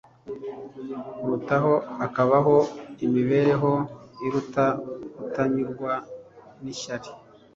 kurutaho akabaho imibereho iruta kutanyurwa n’ishyari